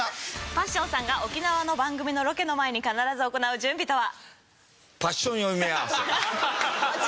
パッションさんが沖縄の番組のロケの前に必ず行う準備とは？